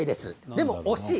でも惜しい。